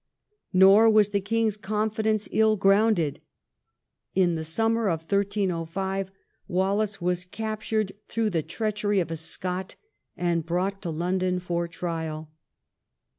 Nor was the king's confidence ill grounded. In the summer of 1305, Wallace was captured through the treachery of a Scot, and brought to London for trial.